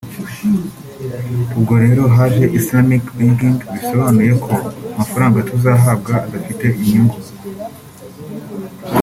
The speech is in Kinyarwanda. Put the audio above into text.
(…) ubwo rero haje Islamic Banking bisobanuye ko amafaranga tuzahabwa adafite inyungu